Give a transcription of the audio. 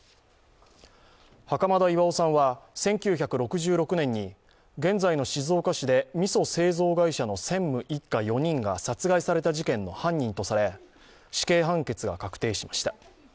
袴田巌さんは１９６６年に現在の静岡市でみそ製造会社の専務一家４人が殺害された事件の犯人とされ死刑判決が確定しました。